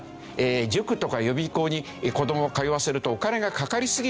塾とか予備校に子どもを通わせるとお金がかかりすぎる。